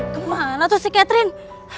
kemana tuh si catherine